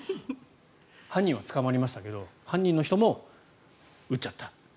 犯人は捕まりましたけど犯人の人も売っちゃった。